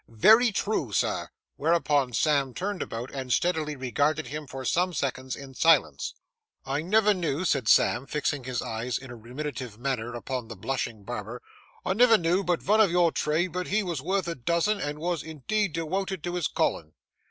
Very true, sir;' whereupon Sam turned about and steadily regarded him for some seconds in silence. 'I never knew,' said Sam, fixing his eyes in a ruminative manner upon the blushing barber,—'I never knew but vun o' your trade, but he wos worth a dozen, and wos indeed dewoted to his callin'!